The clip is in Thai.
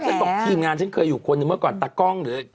ฉันบอกทีมงานฉันเคยอยู่คนหนึ่งเมื่อก่อนตากล้องหรือ